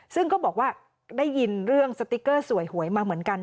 ซึ่งก็บอกว่าได้ยินเรื่องสติ๊กเกอร์สวยหวยมาเหมือนกัน